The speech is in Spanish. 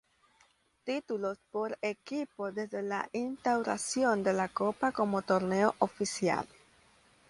Títulos por equipo desde la instauración de la Copa como torneo oficial.